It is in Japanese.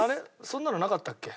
そんなのなかったっけ？